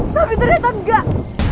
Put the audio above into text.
tapi ternyata enggak